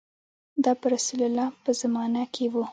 دا په رسول الله په زمانه کې و.